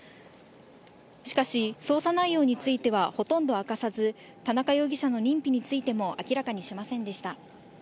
しかし、捜査内容についてはほとんど明かさず田中容疑者の認否についても明らかにしませんでした。